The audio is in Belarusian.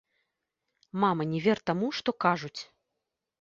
Мама, не вер таму, што кажуць.